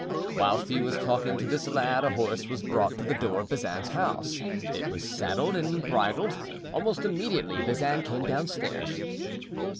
Whilst he was talking to this lad a horse was brought to the door of Bazin's house. It was saddled and bridled. Almost immediately Bazin came downstairs.